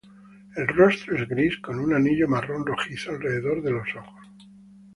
El rostro es gris, con un anillo marrón rojizo alrededor de los ojos.